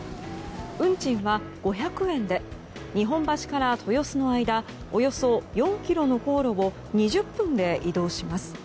運賃は５００円で日本橋から豊洲の間およそ４ｋｍの航路を２０分で移動します。